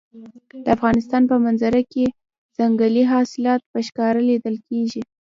د افغانستان په منظره کې ځنګلي حاصلات په ښکاره لیدل کېږي.